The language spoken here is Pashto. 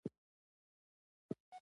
د بښنې دعا د روح ساه ده.